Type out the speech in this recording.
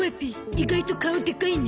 意外と顔でかいね。